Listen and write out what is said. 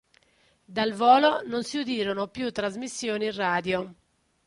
Dal volo non si udirono più trasmissioni radio.